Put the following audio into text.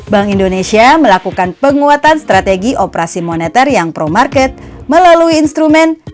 bank indonesia melakukan penguatan strategi operasi moneter yang pro market melalui instrumen